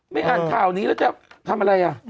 อ่านข่าวนี้แล้วจะทำอะไรอ่ะ